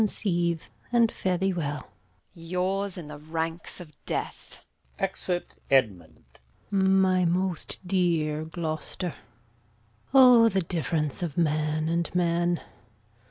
Conceive, and fare thee well. Edm. Yours in the ranks of death! Exit. Gon. My most dear Gloucester! O, the difference of man and man!